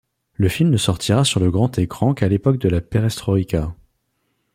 Le film ne sortira sur le grand écran qu'à l'époque de la Perestroïka.